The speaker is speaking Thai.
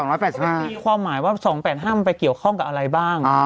มีความหมายว่า๒๘๕ไปเกี่ยวข้องกับอะไรบ้าง